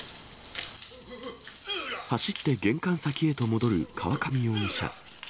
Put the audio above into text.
走って玄関先へと戻る河上容疑者。